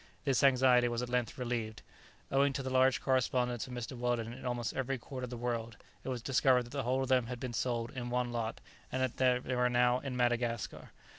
This anxiety was at length relieved. Owing to the large correspondence of Mr. Weldon in almost every quarter of the world, it was discovered that the whole of them had been sold in one lot, and that they were now in Madagascar.